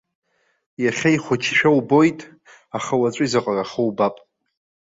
Иахьа ихәыҷшәа убоит, аха уаҵәы изаҟарахо убап.